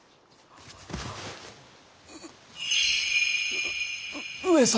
う上様！